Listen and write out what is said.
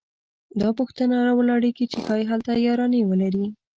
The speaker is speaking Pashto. دا پوښتنه راولاړېږي چې ښايي هلته یارانې ولري